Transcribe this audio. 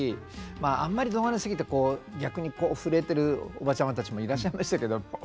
まああんまりどなり過ぎてこう逆にこう震えてるおばちゃまたちもいらっしゃいましたけども。